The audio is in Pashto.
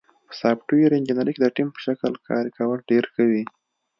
په سافټویر انجینری کې د ټیم په شکل کار کول ډېر ښه وي.